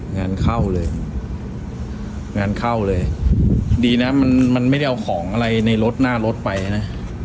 งานเข้าเลยงานเข้าเลยดีนะมันมันไม่ได้เอาของอะไรในรถหน้ารถไปนะ